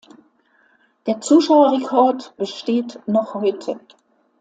Der Zuschauerrekord besteht noch heute.